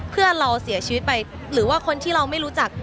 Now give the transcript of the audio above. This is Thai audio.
เพื่อนเราเสียชีวิตไปหรือว่าคนที่เราไม่รู้จัก